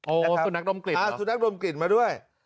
แล้วก็สุนัขดมกลิ่นสุนัขดมกลิ่นมาด้วย